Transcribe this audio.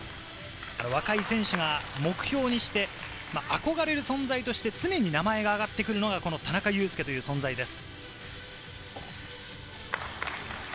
若い選手が目標にして、憧れる存在として常に名前が挙がってくるのがこの田中佑典という存在です。